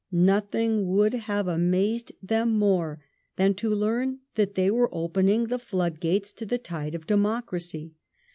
Nothing would have amazed them more than to learn that they were open ing the flood gates to the tide of democracy.